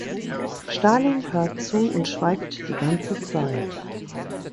Stalin hört zu und schweigt die ganze Zeit.